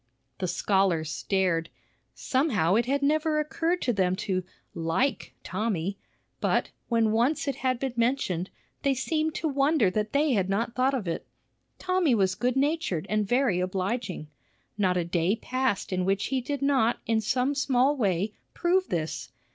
The scholars stared. Somehow it had never occurred to them to "like Tommy;" but, when once it had been mentioned, they seemed to wonder that they had not thought of it. Tommy was good natured and very obliging. Not a day passed in which he did not in some small way prove this.